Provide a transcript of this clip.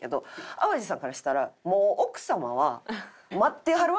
淡路さんからしたらもう奥様は待ってはるわけよ。